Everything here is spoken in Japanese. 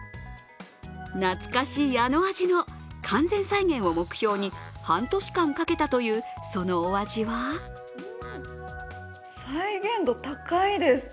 懐かしいあの味の完全再現を目標に半年間かけたという、そのお味は再現度高いです。